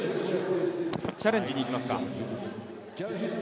チャレンジにいきますか。